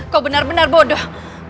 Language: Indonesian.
kau benar benar bodoh